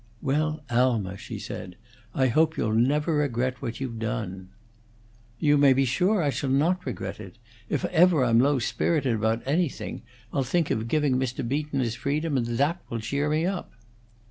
"Well, Alma," she said, "I hope you'll never regret what you've done." "You may be sure I shall not regret it. If ever I'm low spirited about anything, I'll think of giving Mr. Beaton his freedom, and that will cheer me up."